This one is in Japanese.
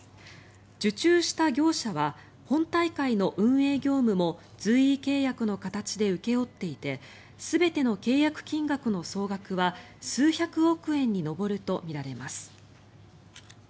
受注した業者は本大会の運営業務も随意契約の形で請け負っていて全ての契約金額の総額は数百億円に上るとみられます。